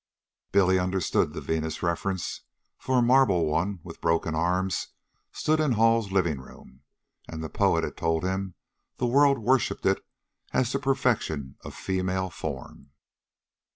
Billy understood the Venus reference; for a marble one, with broken arms, stood in Hall's living room, and the poet had told him the world worshiped it as the perfection of female form.